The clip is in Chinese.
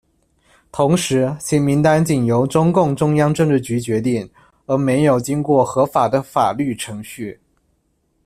同时，其名单仅由中共中央政治局决定，而没有经过合法的法律程序。